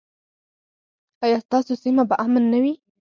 ایا ستاسو سیمه به امن نه وي؟